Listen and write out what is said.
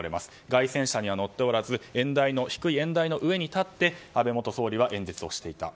街宣車には乗っておらず低い演台の上に立って安倍元総理は演説をしていた。